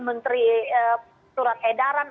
menteri surat edaran